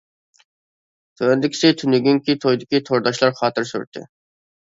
تۆۋەندىكىسى تۈنۈگۈنكى تويدىكى تورداشلار خاتىرە سۈرىتى.